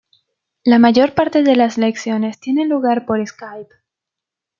La mayor parte de las lecciones tienen lugar por Skype.